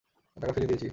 টাকা ফিরিয়ে দিয়েছি।